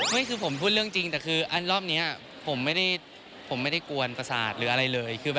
ไม่คือผมพูดเรื่องจริงแต่คือรอบนี้ผมไม่ได้ผมไม่ได้กวนประสาทหรืออะไรเลย